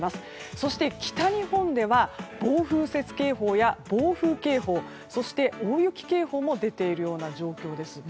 そして、北日本では暴風雪警報や暴風警報そして、大雪警報も出ているような状況です。